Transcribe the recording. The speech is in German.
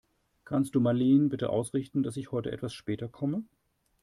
Kannst du Marleen bitte ausrichten, dass ich heute etwas später komme?